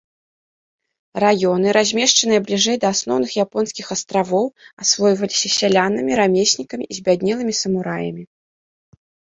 Раёны, размешчаныя бліжэй да асноўных японскіх астравоў, асвойваліся сялянамі, рамеснікамі і збяднелымі самураямі.